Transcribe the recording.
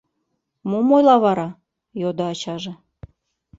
— Мом ойла вара? — йодо ачаже.